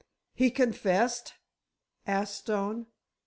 "He confessed?" asked Stone.